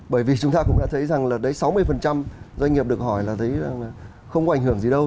bởi vì chúng ta cũng đã thấy rằng là đấy sáu mươi doanh nghiệp được hỏi là thấy không có ảnh hưởng gì đâu